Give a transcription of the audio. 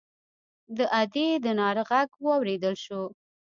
د ادي د ناره غږ واورېدل شو.